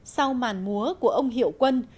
sau màn múa của ông hiệu quân